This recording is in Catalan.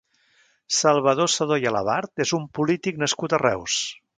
Salvador Sedó i Alabart és un polític nascut a Reus.